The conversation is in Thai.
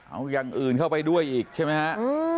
เอาอย่างอื่นเข้าไปด้วยอีกใช่ไหมฮะ